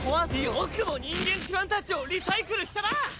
よくも人間ちゅわんたちをリサイクルしたな！